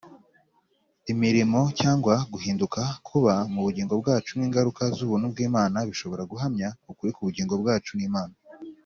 Imirimo cyangwa guhinduka, kuba mu bugingo bwacu nk’ ingaruka z'ubuntu bw'Imana bishobora guhamya ukuri kw'ubugingo bwacu n’Imana.